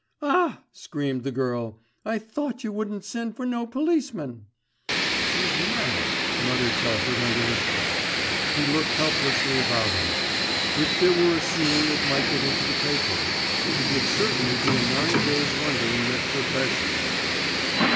"Ah!" screamed the girl. "I thought you wouldn't send for no policeman." "She's mad," muttered Telford under his breath. He looked helplessly about him. If there were a scene it might get into the papers, it would certainly be a nine days wonder in the "profession."